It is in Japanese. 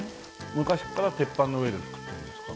昔から鉄板の上で作ってるんですか？